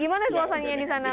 gimana suasananya di sana